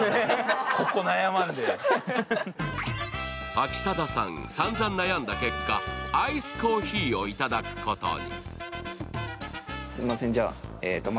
秋定さん、さんざん悩んだ結果、アイスコーヒーをいただくことに。